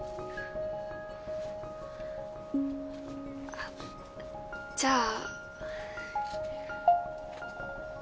あっじゃあ。